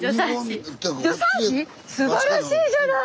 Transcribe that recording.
助産師⁉すばらしいじゃない！